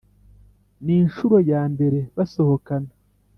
ni inshuro ye yambere basohokana